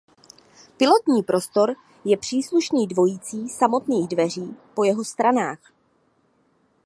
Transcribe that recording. Pilotní prostor je přístupný dvojicí samostatných dveří po jeho stranách.